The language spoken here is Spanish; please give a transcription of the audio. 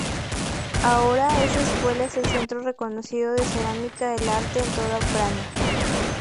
Ahora esa escuela es el centro reconocido de cerámica del arte en toda Ucrania.